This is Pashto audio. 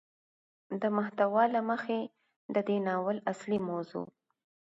د محتوا له مخې ده دې ناول اصلي موضوع